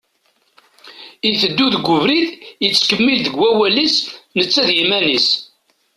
Iteddu deg ubrid yettkemmil deg wawal-is netta d yiman-is.